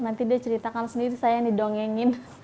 nanti dia ceritakan sendiri saya yang didongengin